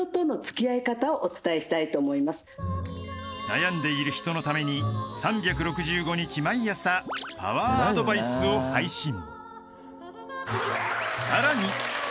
［悩んでいる人のために３６５日毎朝パワーアドバイスを配信］